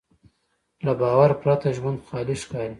له باور پرته ژوند خالي ښکاري.